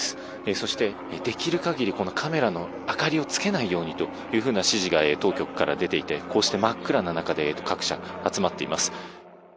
そして、できるかぎりカメラの明かりをつけないようにというふうな指示が当局から出ていて、こうして真っ暗な中で、各社、集まっています。